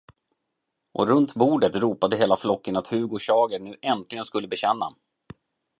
Och runt bordet ropade hela flocken, att Hugo Schager nu äntligen skulle bekänna.